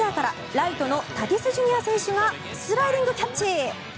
ライトのタティスＪｒ．選手がスライディングキャッチ。